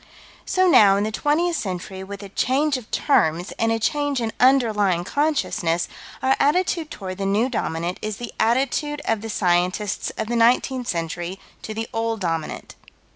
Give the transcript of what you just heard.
So now, in the twentieth century, with a change of terms, and a change in underlying consciousness, our attitude toward the New Dominant is the attitude of the scientists of the nineteenth century to the Old Dominant.